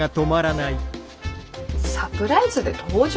サプライズで登場！？